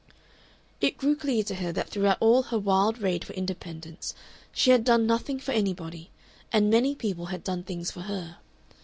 It grew clear to her that throughout all her wild raid for independence she had done nothing for anybody, and many people had done things for her.